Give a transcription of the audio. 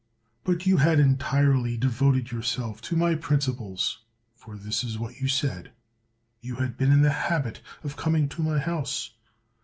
But you had entirely devoted yourself to my principles (for this is what you said) ; you had been in the habit of coming to my house.